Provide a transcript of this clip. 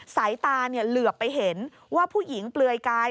สายตาเหลือบไปเห็นว่าผู้หญิงเปลือยกาย